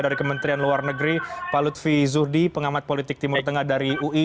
dari kementerian luar negeri pak lutfi zuhdi pengamat politik timur tengah dari ui